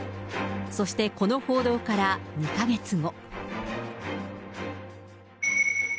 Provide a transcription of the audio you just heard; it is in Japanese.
そしてこの報道から２か月後。